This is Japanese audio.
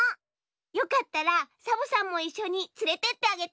よかったらサボさんもいっしょにつれてってあげてね！